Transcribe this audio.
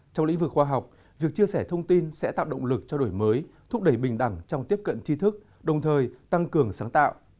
trong lĩnh vực khoa học việc chia sẻ thông tin sẽ tạo động lực cho đổi mới thúc đẩy bình đẳng trong tiếp cận chi thức đồng thời tăng cường sáng tạo